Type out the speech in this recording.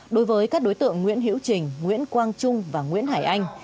đối với các đối tượng nguyễn hiễu trình nguyễn quang trung và nguyễn hải anh